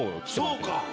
そうか。